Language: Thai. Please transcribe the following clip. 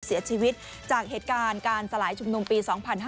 เสียชีวิตจากเหตุการณ์การสลายชุมนุมปี๒๕๕๙